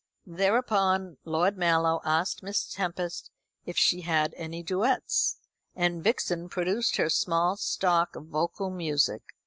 Thereupon Lord Mallow asked Miss Tempest if she had any duets, and Vixen produced her small stock of vocal music.